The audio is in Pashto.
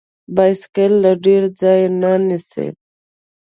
بایسکل له ډیر ځای نه نیسي.